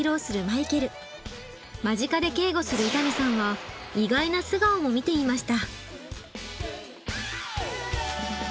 間近で警護する伊丹さんは意外な素顔も見ていました。